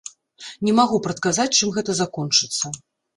Не магу прадказаць, чым гэта закончыцца.